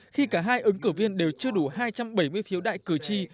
khi cả hai ứng cử viên đều chưa đủ hai trăm bảy mươi phiếu đại cử tri